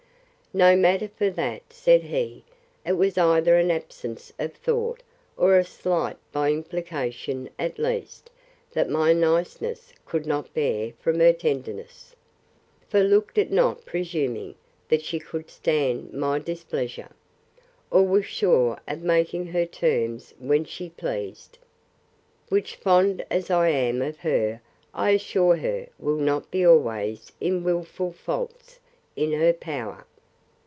No matter for that, said he: It was either an absence of thought, or a slight by implication, at least, that my niceness could not bear from her tenderness: For looked it not presuming, that she could stand my displeasure, or was sure of making her terms when she pleased? Which, fond as I am of her, I assure her, will not be always, in wilful faults, in her power.